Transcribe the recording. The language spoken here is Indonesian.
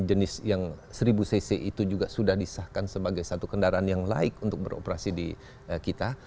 dan jenis yang seribu cc itu juga sudah disahkan sebagai satu kendaraan yang laik untuk beroperasi di kita